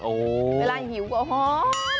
เวลาหิวก็หอม